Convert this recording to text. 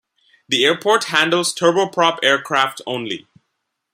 The airport handles turboprop aircraft only.